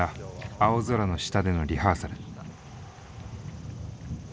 青空の下でのリハーサル。